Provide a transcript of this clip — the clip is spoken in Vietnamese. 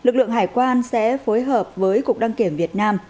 cơ quan hải quan sẽ phối hợp với cục đăng kiểm việt nam